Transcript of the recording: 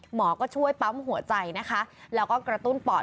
หมอก็ช่วยปั๊มหัวใจนะคะแล้วก็กระตุ้นปอด